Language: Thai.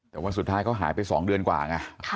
แต่วันสุดท้ายเขาหายไป๒เดือนกว่าไง